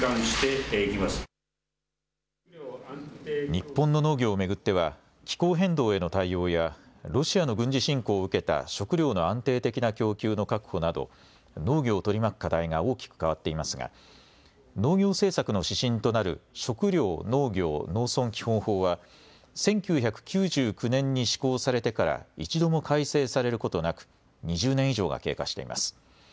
日本の農業を巡っては気候変動への対応やロシアの軍事侵攻を受けた食料の安定的な供給の確保など農業を取り巻く課題が大きく変わっていますが農業政策の指針となる食料・農業・農村基本法は１９９９年に施行されてから一度も改正されることなく２０年以上が経過しています。